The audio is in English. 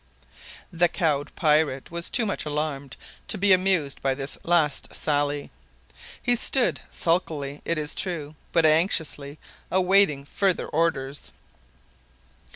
The cowed pirate was too much alarmed to be amused by this last sally. He stood, sulkily it is true, but anxiously, awaiting further orders.